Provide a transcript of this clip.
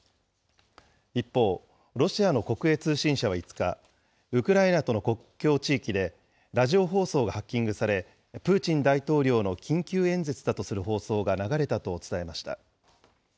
一方、ロシアの国営通信社は５日、ウクライナとの国境地域でラジオ放送がハッキングされ、プーチン大統領の緊急演説だとする放送が流れたと伝えました。